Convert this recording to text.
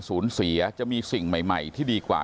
สูญเสียจะมีสิ่งใหม่ที่ดีกว่า